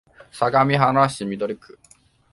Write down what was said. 相模原市緑区